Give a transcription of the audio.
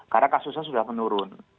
karena kasusnya sudah menurun